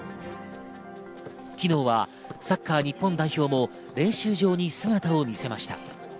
昨日はサッカー日本代表も練習場に姿を見せました。